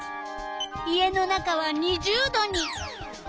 家の中は２０℃に。